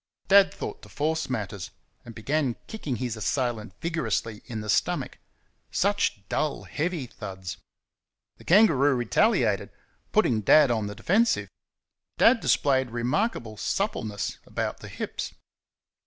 Dad thought to force matters, and began kicking his assailant vigorously in the stomach. Such dull, heavy thuds! The kangaroo retaliated, putting Dad on the defensive. Dad displayed remarkable suppleness about the hips.